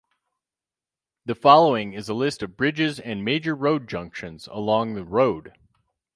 The following is a list of bridges and major road junctions along the road.